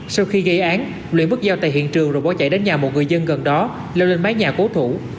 sau khi gây án luyện bước giao tại hiện trường rồi bỏ chạy đến nhà một người dân gần đó leo lên mái nhà cố thủ